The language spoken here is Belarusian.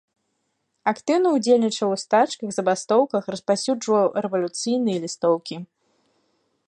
Актыўна ўдзельнічаў у стачках, забастоўках, распаўсюджваў рэвалюцыйныя лістоўкі.